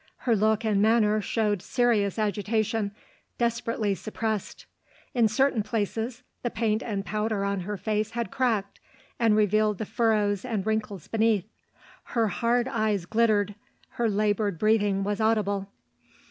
Her look and manner showed serious agitation, desperately suppressed. In certain places, the paint and powder on her face had cracked, and revealed the furrows and wrinkles beneath. Her hard eyes glittered; her laboured breathing was audible.